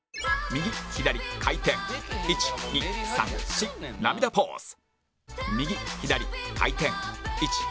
右左回転１２３４涙ポーズ